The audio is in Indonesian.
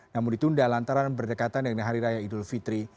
namun ditunda lantaran berdekatan dengan hari raya idul fitri